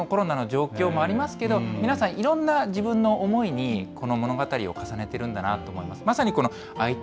ですからもちろんこのコロナの状況もありますけど、皆さん、いろんな自分の思いに、この物語を重ねてるんだなと思います。